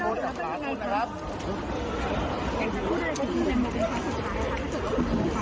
แล้วก็ฝ่าวงล้อมของสื่อมณชนเนี่ยเข้าไป